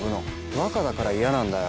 和華だから嫌なんだよ